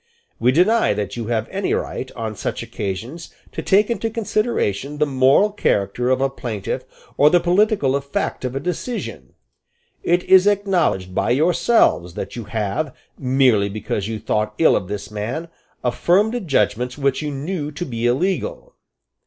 We deny that you have any right, on such occasions, to take into consideration the moral character of a plaintiff or the political effect of a decision. It is acknowledged by yourselves that you have, merely because you thought ill of this man, affirmed a judgment which you knew to be illegal.